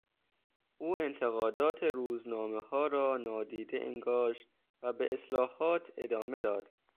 او انتقادات روزنامهها را نادیده انگاشت و به اصلاحات ادامه داد.